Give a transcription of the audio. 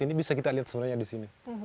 ini bisa kita lihat sebenarnya di sini